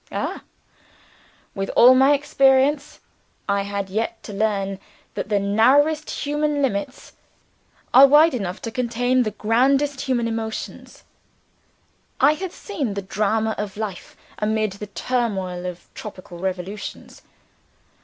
Ah, with all my experience, I had yet to learn that the narrowest human limits are wide enough to contain the grandest human emotions. I had seen the Drama of Life amid the turmoil of tropical revolutions.